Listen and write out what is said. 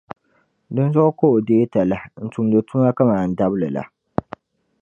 Dinzuɣu ka o deei talahi n-tumdi tuma kaman dabili la.